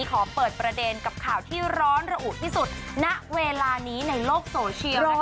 ขอเปิดประเด็นกับข่าวที่ร้อนระอุที่สุดณเวลานี้ในโลกโซเชียล